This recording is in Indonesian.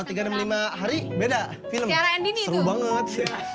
ya kalau tiga ratus enam puluh lima hari beda film film banget seru banget